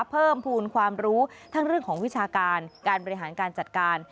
เพิ่มภูมิความรู้ทั้งเรื่องของวิชาการการบริหารการจัดการ